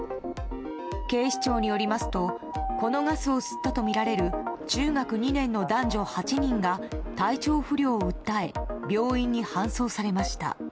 警視庁によりますとこのガスを吸ったとみられる中学２年の男女８人が体調不良を訴え病院に搬送されました。